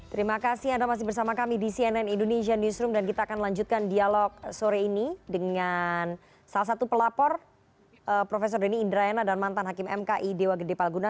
terima kasih anda masih bersama kami di cnn indonesia newsroom dan kita akan lanjutkan dialog sore ini dengan salah satu pelapor prof denny indrayana dan mantan hakim mki dewa gede palguna